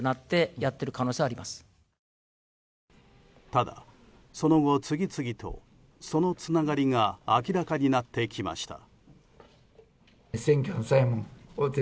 ただその後、次々とそのつながりが明らかになってきました。